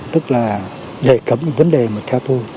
đức là đề cập những vấn đề mà theo tôi